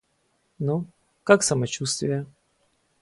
Ну, как самочуствие?